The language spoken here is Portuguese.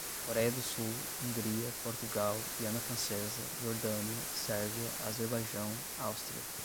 Coreia do Sul, Hungria, Portugal, Guiana Francesa, Jordânia, Sérvia, Azerbaijão, Áustria